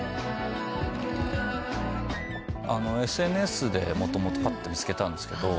ＳＮＳでもともと見つけたんですけど。